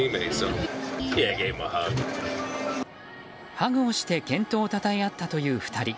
ハグをして健闘を称え合ったという２人。